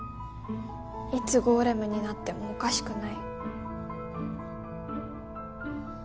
いつゴーレムになってもおかしくない。